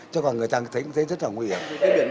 chứ còn người ta thấy cũng thế rất là nguy hiểm